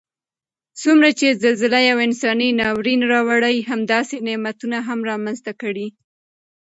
څومره چې زلزله یو انساني ناورین راوړي همداسې نعمتونه هم رامنځته کړي